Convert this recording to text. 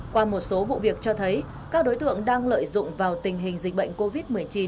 qua một số vụ việc cho thấy các đối tượng đang lợi dụng vào tình hình dịch bệnh covid một mươi chín